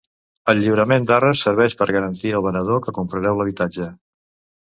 El lliurament d'arres serveix per garantir al venedor que comprareu l'habitatge.